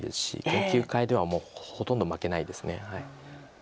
研究会ではもうほとんど負けないです。